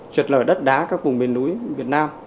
trượt lở đất đá các vùng miền núi việt nam